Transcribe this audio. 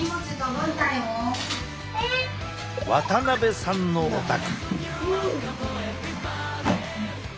渡邉さんのお宅。